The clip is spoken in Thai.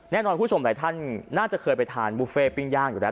คุณผู้ชมหลายท่านน่าจะเคยไปทานบุฟเฟ่ปิ้งย่างอยู่แล้ว